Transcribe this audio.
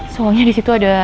soalnya disitu ada